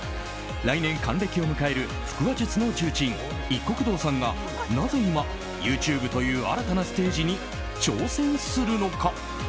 来年、還暦を迎える腹話術師の重鎮いっこく堂さんがなぜ今、ＹｏｕＴｕｂｅという新たなステージに挑戦するのか。